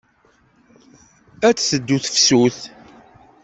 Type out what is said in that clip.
Ad teddu tefsut.